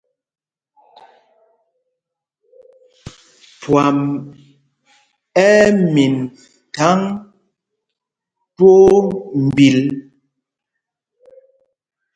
Phwam ɛ́ ɛ́ min thaŋ twóó mbil.